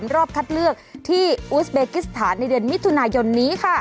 รอบคัดเลือกที่อุสเบกิสถานในเดือนมิถุนายนนี้ค่ะ